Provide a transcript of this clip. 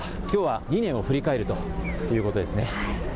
きょうは２年を振り返るということですね。